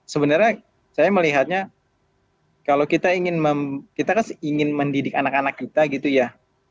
sebenarnya saya melihatnya kalau kita ingin kita kan ingin mendidik anak anak kita gitu ya